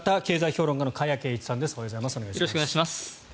よろしくお願いします。